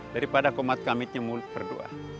daripada komat kamitnya berdoa